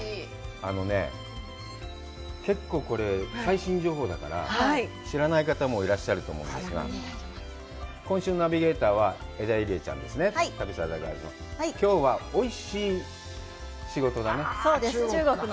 あのね、結構これ、最新情報だから知らない方もいらっしゃると思うんですが、今週のナビゲーターは江田友莉亜ちゃんですね、旅サラダガールズの。